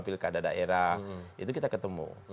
pilkada daerah itu kita ketemu